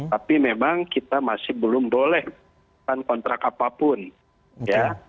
tapi memang kita masih belum boleh kontrak apapun ya